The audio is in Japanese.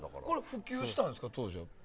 普及したんですか、当時は。